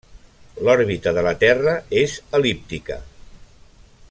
L'òrbita de la Terra és el·líptica.